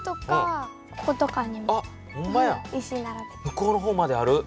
向こうの方まである。